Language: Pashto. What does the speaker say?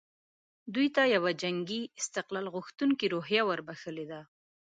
دوی ته یوه جنګي استقلال غوښتونکې روحیه وربخښلې ده.